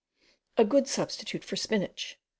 A good substitute for spinach.